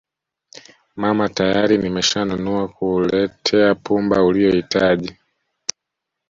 mama tayari nimeshanunua kuletea pumba uliyohitaji